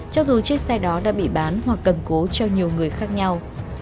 cho dù chiếc xe đó đã bị bán hoặc cầm cố cho nhiều người khác nhau